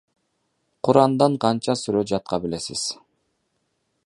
Курандан канча сүрө жатка билесиз?